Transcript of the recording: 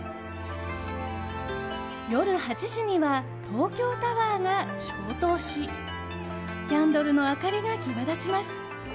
夜８時には東京タワーが消灯しキャンドルの明かりが際立ちます。